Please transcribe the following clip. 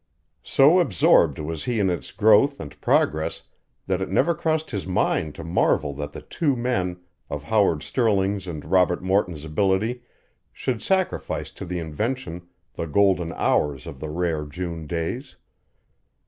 So absorbed was he in its growth and progress that it never crossed his mind to marvel that two men of Howard Snelling's and Robert Morton's ability should sacrifice to the invention the golden hours of the rare June days.